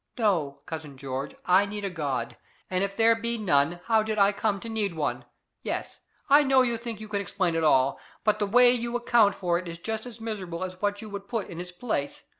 No, cousin George, I need a God; and if there be none how did I come to need one? Yes, I know you think you can explain it all, but the way you account for it is just as miserable as what you would put in its place.